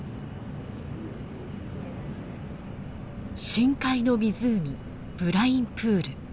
深海の湖ブラインプール。